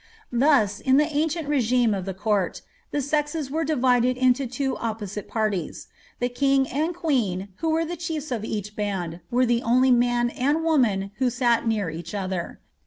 Thus, in the ancient regime of the court, the sexes were divided into two op* posite parties : the king and queen, who were the chiefs of each band, were the only man and woman who sat near each other.